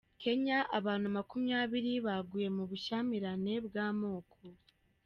Kenya Abantu makumyabiri baguye mu bushyamirane bw’amoko